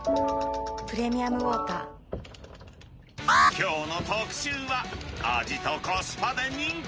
きょうの特集は、味とコスパで人気！